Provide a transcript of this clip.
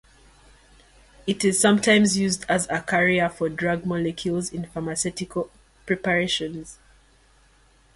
It is sometimes used as a carrier for drug molecules in pharmaceutical preparations.